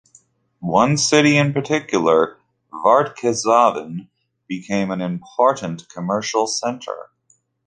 One city in particular, Vartkesavan became an important commercial center.